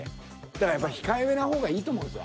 だからやっぱり控えめな方がいいと思うんですよ。